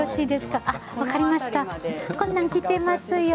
こんなん着てますよ。